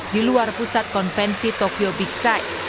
di luar pusat konvensi tokyo big sai